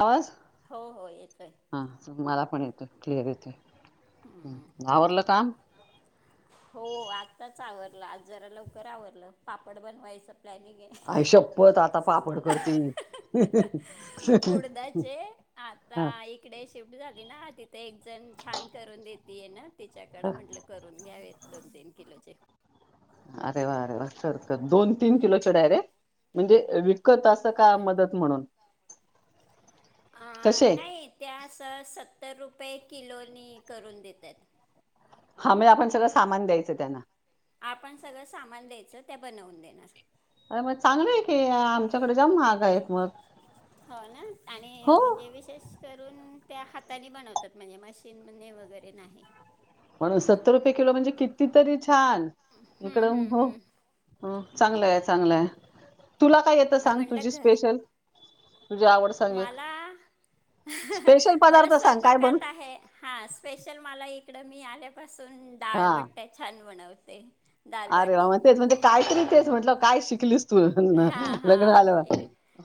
आवाज हो हो येतोय. हा मला पण येतोय. क्लिअर येतोय. हम्म. आवरलं काम? हो आत्ताच आवरलं. आज जरा लवकर आवरलं. पापड बनवायचं प्लॅनिंग आहे. आई शप्पथ आता पापड करती. उडदाचे आता हा, एक - इकडे शिफ्ट झाली ना? तिथ एक जण छान करून देतीय ना तिच्याकड हा. म्हंटलं करून घ्या एक दोन -तीन किलोचे. अरे वा! अरे वा! करतात दोन - तीन किलो च डायरेक्ट. म्हणजे विकत असं का मदत म्हणून. आ कसे नाही त्या असं सत्तर रुपये किलोनी करून देत्यात. हा मे आपण सगळं सामान द्यायचं त्यांना. आपण सगळं सामान द्यायचं ते बनवून देणार - अर म चांगलं आहे की - आमच्याकडे ज्याम महाग आहे मग - हो ना? आणि म्हणजे विशेष करून त्या हाताने बनवतात. म्हणजे मशीनने वगैरे नाही. पण सत्तर रुपये किलो म्हणजे किती तरी छान! हम्म इकडं हम्म हो हम्म हो, चांगलय, चांगलय तुला काय येत मी सांग म्हणलं तुझी घर स्पेशल- तुझे आवडच? मला, मला पदार्थ सांग काय बनू स्वयंपाकात आहे. हा, स्पेशल मला इकडं मी आल्यापासून हा डाळबट्टया छान बनवते. अरे दालवाटी वाह, तेच म्हणजे कायतरी तेच म्हटलं काय शिकलीस- तू हा, लग्न हा. झाल्यावर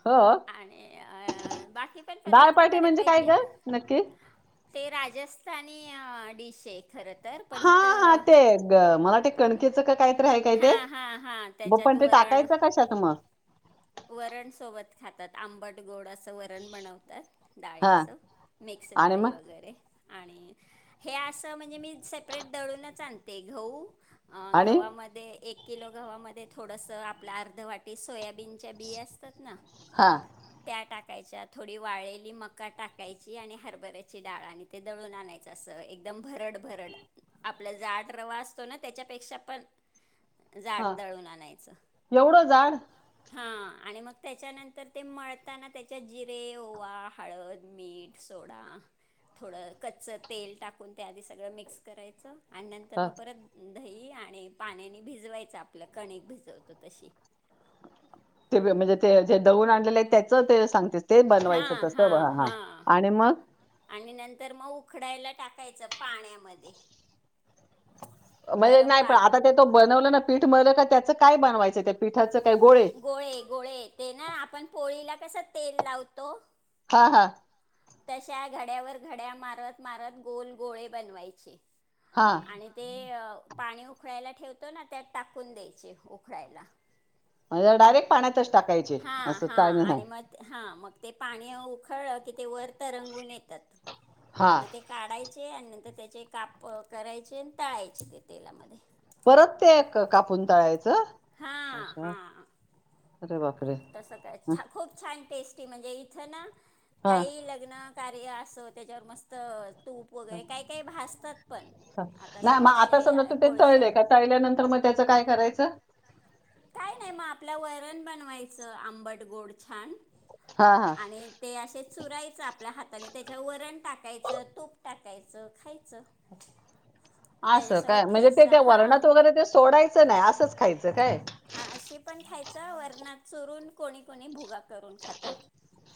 हो आणि अ बाकी पण पदार्थ दाळपाटी म्हणजे काय बऱ्यापैकी ग येत्यात. नक्की ते राजस्थानी डिश आहे खरं- तर पण हा, हा, इथं ते ग मला ते- कणकेचं का कायतर हाय काय ते, हां हां हां हो त्याच्यात पण ते वरण टाकायचं कशात मग? वरणसोबत खातात. आंबट, गोड असं वरण बनवतात, हा डाळीचं मिक्स आणि डाळी मग वगैरे- आणि हे असं म्हणजे मी सेपरेट दळूनच आणते. गहू- अ आणि गव्हामध्ये एक किलो गव्हामध्ये थोडसं, आपलं आर्ध वाटी सोयाबीन- च्या बिया असतात ना- हा त्या टाकायच्या, थोडी वाळलेली मका टाकायची आणि हरभऱ्याची डाळ आणि- ते दळून आणायचं असं, एकदम भरड, भरड. आपलं जाड रवा असतो ना, त्याच्यापेक्षा पण हा जाड दळून आणायचं. एवढं जाड- हा आणि मग त्याच्यानंतर ते मळताना त्याच्यात जिरे, ओवा, हळद, मीठ- सोडा, थोडं कच्चं तेल टाकून त्याआधी सगळं मिक्स करायचं- आणि नंतर हा, मग परत दही आणि पाण्याने भिजवायचं, आपलं कणिक भिजवतो तशी. ते म्हणजे, ते जे दळुन आणलेले आहे, त्याच ते सांगतेस. ते बनवायचं हां तसं हां हा हां आणि मग- आणि नंतर मग उखडायला टाकायचं पाण्यामध्ये. म्हणजे गरम नाही, पा पण आता ते तो बनवलं ना पीठ, मध का त्याचं काय बनवायचं त्या पीठाचं काय गोळे? पिठाचं काही गोळे, गोळे. ते ना आपण पोळीला कस तेल लावतो- हा, हा. तशा घड्यावर घड्या मारत, मारत गोल गोळे बनवायचे. हा. आणि ते पाणी उखळायला ठेवतो ना, त्यात टाकून द्यायचे उखळायला. म्हणजे डायरेक्ट पाण्यातच टाकायचे, हा असं हा आणि [unintelligible] मग हा, मग ते पाणी उखळलं की, ते वर तर रंगून येतात हा मग ते- काढायचे आणि नंतर त्याचे काप करायचे आणि तळायचे ते तेलामध्ये. परत ते कापून तळायचं? हा, अच्छा हा. अरे बापरे. ! तसं का [unintelligible] खूप छान टेस्टी म्हणजे इथं ना हा काही लग्न - कार्य असो, त्याच्यावर मस्त तूप वगैरे काही, काही भासतात पण. आता नाही, मग समजा आता शे समजा तू ते कोळशा तळले, का तळल्यानंतर मग त्याचं काय करायचं? काय नाही, मग आपल्या वरण बनवायचं आंबट, गोड छान. हा हा आणि- ते असे चुरायचं आपल्या हाताने, त्याच्यावर वरण टाकायचं, तूप टाकायचं, खायचं. असं काय, त्याच्यासोबत म्हणजे ते ठेसा त्या हा. वरणात वगैरे ते सोडायचं नाही, असंच खायचं काय? अशी पण खायचं वरणात चुरून कोणी, कोणी भुगा करून खात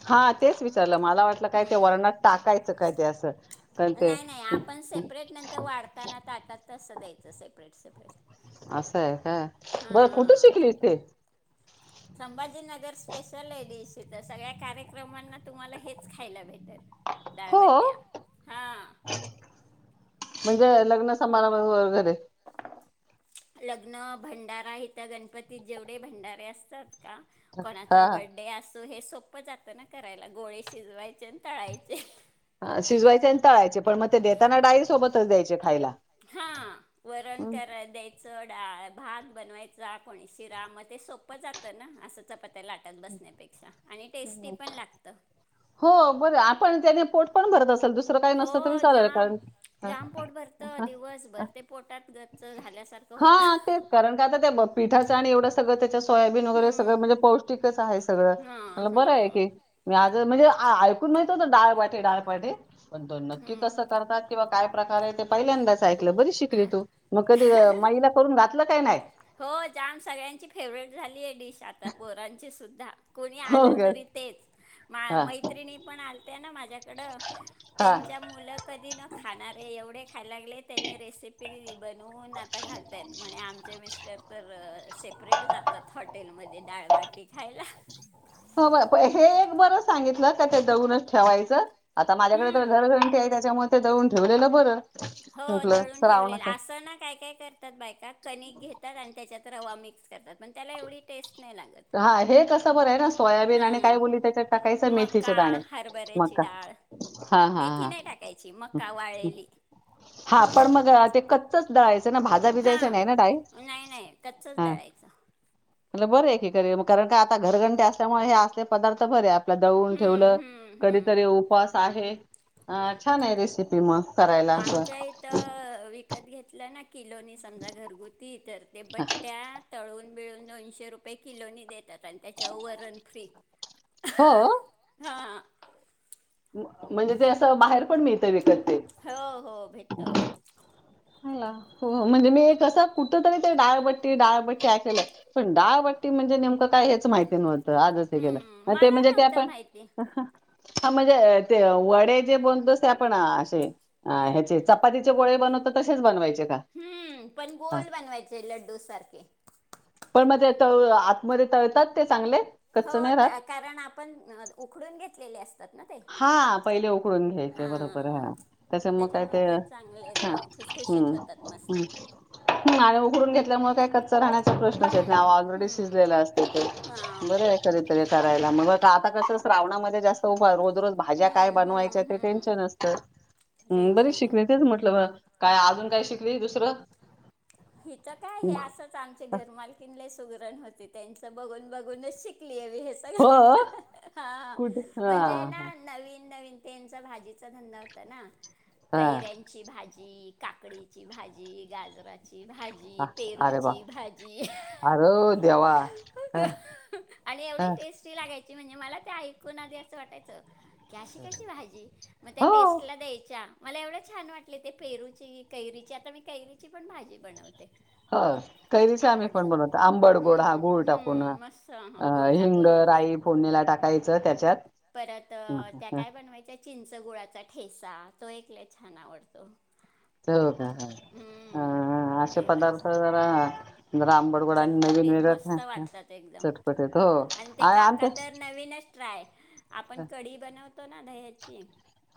हा तेच विचारलं मला वाटलं काय ते हम्म वरणात टाकायचं काय ते असं कारण ते नाही, नाही आपण सेपरेट नंतर वाढताना तटात तसं द्यायचं सेपरेट, सेपरेट असं आहे हा बर कुठे हा शिकलीस ते संभाजीनगर स्पेशल ये डिश तर सगळ्या कार्यक्रमांना तुम्हाला हेच खायला भेटल हो दाळबट्टया हा म्हणजे लग्न समारंभ व घरे लग्न भंडारा हित गणपतीत जेवढे भंडारे असतात का कोणाचा हा हा बर्थडे असो हे सोप प्प जातं ना करायला गोळे शिजवायचे आणि तळायचे शिजवायचे आणि तळायचे पण मग ते देताना डाळी सोबतच द्यायचे खायला हा वरण हं. करा द्यायचं डाळ भात बनवायचा कोणी शिरा म ते सोप सोप्प जातं ना असं चपात्या लाटत बसण्यापेक्षा आणि टेस्टी पण लागत हो बरं आपण त्याने पोट पण भरत असेल दुसरं काही नसत तरी हो चालेल जाम कारण हा जाम पोट भरतं हा, हा. दिवसभर ते पोटात गच्च झाल्यासारखं होतं हा, तेच कारण का आता त्या पिठाचं आणि एवढं सगळं त्याच्या सोयाबीन वगैरे हं, सगळं म्हणजे पौष्टिकच आहे सगळं हां म बरं आहे हां की मी आज म्हणजे ऐकून माहित होत डाळबाटी, डाळबाटी पण तो नक्की हं. कसं करतात किंवा काय प्रकार आहे ते पहिल्यांदाच ऐकलं बरी शिकली तू मग कधी माईला करून घातलं काय नाही हो जाम सगळ्यांची फेवरेट झाली आहे डिश आता पोरांची सुद्धा कोणी हो आलं का तरी तेच मा हा मैत्रिणी पण आलत ना माझ्या तकडं हा त्यांच्या मुलं कधी न खाणार आहे एवढे खायला लागले त्यांनी रेसिपी बनून आता घालतयत म्हणे आमचे मिस्टर तर से सेपरेट जातात हॉटेलमध्ये डाळबाटी खायला हो हे एक बरं सांगितलं का ते दळूनच ठेवायचं आता माझ्याकडे तर हम्म घरघंटी आहे त्याच्यामुळे ते जाऊन ठेवलेलं बरं हो म्हटलं दळून ठेवलेलं श्रावणाच. असं ना काय, काय कर तर बायका कणिक घेतात आणि त्याच्यात रवा मिक्स करतात पण त्याला एवढी टेस्ट नाही लागत हा हे कसं बरं आहे ना सोयाबीन हा आणि काय बोलली त्याच्यात टाकायचं मेथीचे मका, दाणे. हरभऱ्याची मका डाळ हा हा मेथी हा नाही टाकायची मका वाळळेली हा पण मग ते कच्चच दळायचेना भाजा बिजायचं हां नाही ना डाळी नाही नाही कच्चच हा दळायचं म्ह बरे आहे एकीक कारण का आता घरघंटे असल्यामुळे हे असले पदार्थ बरे आ आपलं दळुन हम्म ठेवलं हम्म हम्म कधीतरी उपास आहे अ छान आहे रेसिपी म आमच्या इथ विकत घेतलं ना किलोनी समजा घरगुती तर ते बट्ट्या तळून, बिळून दोनशे रुपये किलो नी देतात आणि त्याच्या वरण फ्री हो हा म म्हणजे ते असं बाहेर पण मिळत विकत ते हो, हो भेटत हो म्हणजे मी कस कुठ तरी ते डाळबट्टी, डाळबट्टी ऐकल पण डाळबाटी म्हणजे नेमकं काय हेच माहिती नव्हतं आज हम्म गेलं ते मला म्हणजे ते नव्हतं आपण माहिती हा म्हणजे ते वडे जे बनतोस ते आपण असे ह्याचे चपातीचे गोळे बनवतात तसेच बनवायचे का? हम्म पण हा गोल बनवायचे लड्डू सारखे. पण मग ते तळ आतमध्ये तळतात ते चांगले? हो कच्च नाही राहत? कारण आपण उकडून घेतलेले असतात ना ते. हा पहिले उकडून घ्यायचे बरोबर हां हा तस मग काय त्याच्यामुळे ते चांगले अ, खुसखुशीत हम्म, होतात मस्त. हम्म नारळ उघडून घेतल्यामुळे काय कच्च राहण्याचे प्रश्नंच येत हम्म, ऑलरेडी हम्म, शिजलेला असते ते हां, बरे तर करायला मग आता कस श्रावणामध्ये जास्त उपा रोज, रोज भाज्या काय हम्म, बनवायचं हम्म, ते हम्म. टेनशन असतं हे टेन्शन बरीच नाही. शीक म्हटलं बा काय अजून काय शिकली दुसरं? हिच काय हे हो असं च आमची घरमालकीन लय सुगरण होती त्यांच बघून, बघूनच शिकली हे हा हा कुठे हा म्हणजे ना नवीन, नवीन त्याचां भाजीचा धंदा होता ना हा कैरयाची भाजी की काकडीची भाजी, गाजराची भाजी, हा अरे बा पेरूची भाजी ह अरे देवा ह ह ते टेस्टी लागायची म्हणजे मला ते ऐकून आधी असं वाटायचं की अशी कशी भाजी मग त्या हो. टेस्टला द्यायच्या मला एवढं छान वाटले ते पेरूची, कैरीची आता मी कैरीची पण भाजी बनवते ह कैरीचे आम्ही आंबट पण बनवतो आंबड गोड हा हम्म, गुळ टाकून हम्म, मस्त हा गूळ हिंग, टाकून होते राई फोडणीला टाकायचं त्याच्यात परत त्या काय बनवायच्या चिंच गुळाचा ठेसा तो एक लय छान आवडतो. चव दार हा अ हम्म असे इकडे पदार्थ जरा जरा आंबट गोड आणि नवीन चटपटीत वेगळ मस्त वाटतात एकदम चटपटेत हो आणि ते आ आ काका तर नवीनच ट्राय आपण कडी बनतो ना दह्याची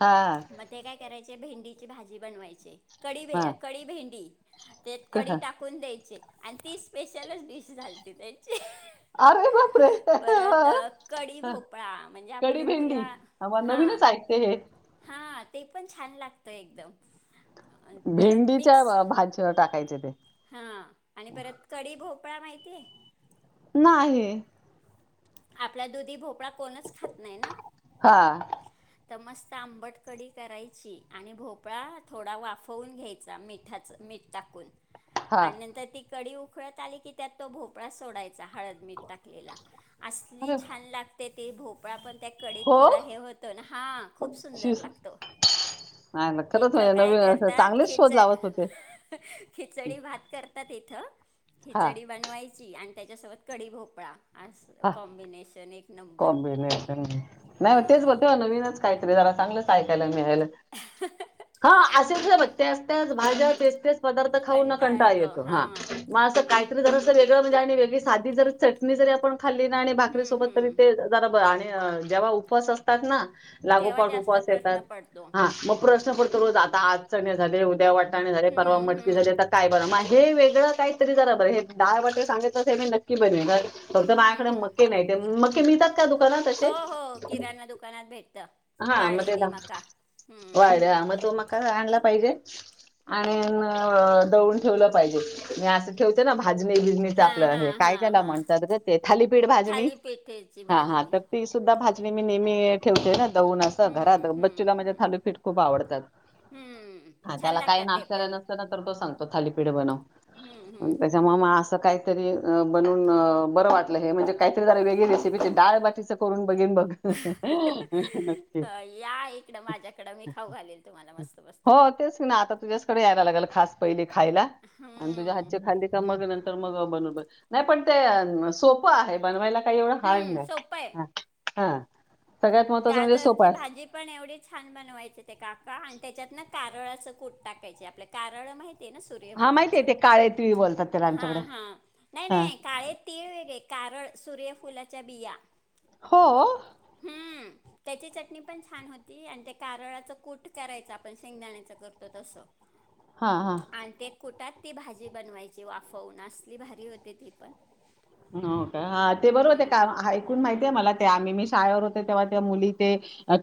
हा म ते काय करायचे भेंडीची भाजी बनवायचे कडी, हा कडी भेंडी त्यात कढी टाक टाकून द्यायचे आणि ती स्पेशलच डिश झालती त्याची ह अरे बापरे परत कडी भोपळा म्हणजे आपले मुलं ह म नवीनच ऐकते हे हा ते पण छान लागतं एकदम. आणि परत भेंडीच्या भा भाजीला टाकायचे ते. हा आणि परत कडी भोपळा माहितीय? नाही. आपला त दुधी भोपळा कोणच खात नाही ना हा तर मस्त आंबट कडी करायची आणि भोपळा थोडा वाफवून घ्यायचा मिठाच मीठ टाकून. हा आणि नंतर ती कडी उकळत आली की त्यात तो भोपळा सोडायचा हळद मीठ टाकलेला असली अरे छान लागते ते भोपळा पण त्या कडीत हो थोडा हे होतो हा खूप सुंदर शिस लागतो. नाही खरंच इथं म्हणजे काय नवीन करतात चांगलेच खिच शोध लावत होते खिचडी भात करतात इथं हा खिचडी बनवायची आणि त्याच्यासोबत कडी भोपळा अस. हा कॉम्बिनेशन नाही म तेच बोलते नवीनच काहीतरी जरा चांगलंच. आयकाला मिळाले ह असेल जर त्याच, त्याच भाज्या तेच, तेच पदार्थ खाऊन न कंटाळा येतो हा मला असं काहीतरी वेगळं म्हणजे आणि वेगळी भाजी जर चटणी जरी आपण खाल्ली ना आणि भाकरी हम्म सोबत तरी हम्म ते जरा बरी आणि जेव्हा उपवास असतात ना. तेव्हा लागोपाट जास्त उपवास प्रश्न येतात पडतो हा मग प्रश्न पडतो रोज आता आज चने झाले उद्या वाटाणे झाले परवा हम्म मटकी झाले हम्म काय बर मग हे वेगळं काहीतरी जरा बरं हे डाळ वाटे सांगतच हे मी नक्की बनवतात फक्त बा हम्म हम्म मके नाही मके मिळतात का दुकानात असे? ह्यांना दुकानात भेटत. हा [unintelligible] [unintelligible] हम्म ठेवलं पाहिजे. मी अस ठेवते ना भाजणी भिजणीच हां आपलं हे हां काय हां त्याला हां म्हणतात ग ते थालीपीठ भाजणी. मिरची भात हा हा तर ती सुद्धा भाजणी मी नेहमी ठेवते ना. जाऊन असं घरात हम्म हम्म बच्चूला म्हणजे हम्म थालीपीठ खूप आवडतात. हम्म हा छान त्याला काही लागतात ते नाष्टला पण न तो सांगतो थालीपीठ बनव हम्म हम्म हम्म त्याच्यामुळ हम्म मला अस. काहीतरी बनून बरं वाटलं हे म्हणजे काहीतरी जरा वेगळी रेसिपी डाळबाटीच करून बघेन बघ. नक्की या इकडं माझ्याकडं मी खाऊ घालेल तुम्हाला मस्त मस्त हो आता तुझ्याकडेच यायला लागलेलो खास पहीले खायला तुझ्या हम्म हात खा मग नंतर मग बन नाही पण ते सो सोप आहे बनवायला काही एवढं हार्ड हम्म नाही ह हा सगळ्यात महत्वाचं म्हणजे सोपं गाजरचे आहे भाजीत पण एवढे छान बनवायचे ते काका आणि त्याच्यात ना कारळाचं कूट टाकायचे आपलं कारळ माहती ना हा माहिती सुर्यफुलाच आहे ते काळे तिळी बोलतात त्याला हा आमच्याकडे हा नाही हा नाही काळे तीळ वेगळे कारळ सूर्यफुलाच्या बिया हो हम त्याची चटणी पण छान होती आणि ते कारळाच कूठ करायच आपण शेंगदाण्याच करतो तसं [inaudible] हा हा आणि ते कुठात ती भाजी बनवायची वाफवून असली भारी होते ती पण हो का हा ते बरोबर ते हम्म का? माहितीय मला ते आम्ही मी शाळेवर होतो तेव्हा ते मुली ते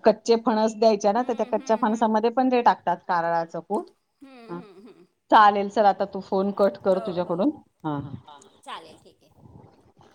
कच्चे फणस द्याय. त्या हम्म कच्च्या हम्म हम्म फणसामध्ये पण जे टाकात कारळाचं पूत हम्म हा हम्म हम्म चालेल चल आता तू फोन कट कर हो हो तुझ्याकडून हा ह चालेल ठीक आहे. हां